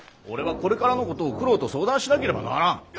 俺はこれからのことを九郎と相談しなければならん。